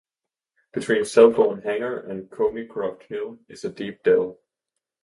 Between Selborne Hanger and Coneycroft Hill is a deep dell.